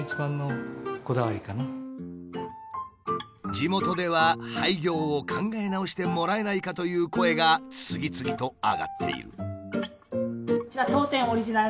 地元では廃業を考え直してもらえないかという声が次々と上がっている。